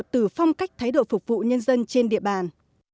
từ phong cách thái độ phục vụ nhân dân trên địa bàn